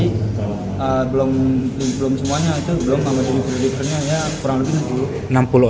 iya lima puluh empat sekolah jadi belum semuanya itu belum kalau jadi producenya ya kurang lebih enam puluh